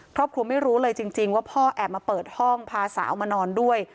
ครอบครัวไม่รู้เลยจริงว่าพ่อแอบมาเปิดห้องพาสาวมานอนด้วย